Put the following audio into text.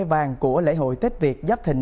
vàng của lễ hội tết việt giáp thịnh